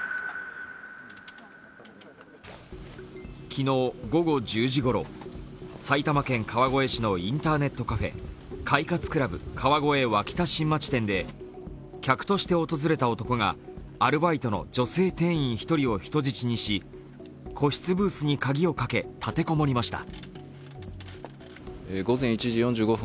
昨日、午後１０時ごろ埼玉県川越市のインターネットカフェ、快活ＣＬＵＢ川越脇田新町店で客として訪れた男がアルバイトの女性店員一人を人質にし個室ブースに鍵をかけ、立て籠もりました。